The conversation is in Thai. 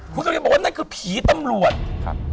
คุณจะบอกว่านั่นคือผีตำรวจ